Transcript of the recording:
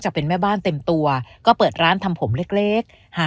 เป็นแม่บ้านเต็มตัวก็เปิดร้านทำผมเล็กเล็กหา